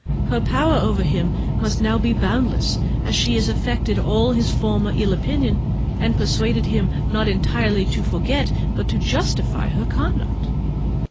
Her power over him must now be boundless, as she has entirely effaced all his former ill opinion, and persuaded him not merely to forget but to justify her conduct.